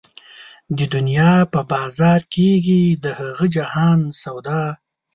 د دنيا په بازار کېږي د هغه جهان سودا